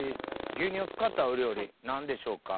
牛乳を使ったお料理何でしょうか？